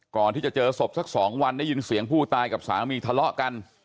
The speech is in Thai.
ก่อนที่จะเจอศพสัก๒วันได้ยินเสียงผู้ตายกับสามีทะเลาะกัน